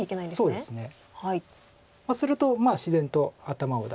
そうですね。